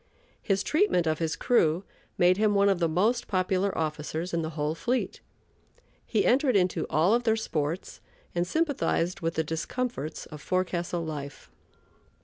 His treatment of his crew made him one of the most popular officers in the whole fleet. He entered into all of their sports and sympathized with the discomforts of forecastle life.